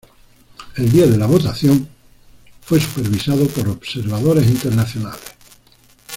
El día de la votación fue supervisado por observadores internacionales.